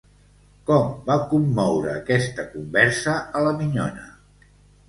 Com va commoure aquesta conversa a la minyona?